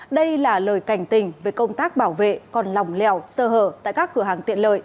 đây là lời cảnh tình về công tác bảo vệ còn lòng lèo sơ hở tại các cửa hàng tiện lợi